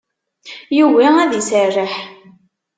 Yugi ad iserreḥ.